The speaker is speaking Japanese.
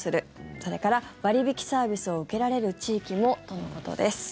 それから割引サービスを受けられる地域元のことです。